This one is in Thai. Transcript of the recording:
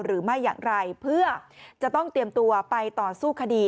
หรือไม่อย่างไรเพื่อจะต้องเตรียมตัวไปต่อสู้คดี